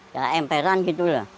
ya emperan gitu lah